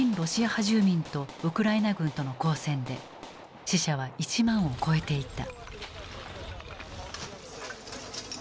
住民とウクライナ軍との交戦で死者は１万を超えていた。